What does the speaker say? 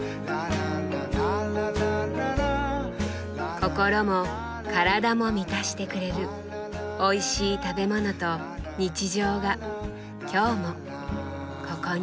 心も体も満たしてくれるおいしい食べ物と日常が今日もここに。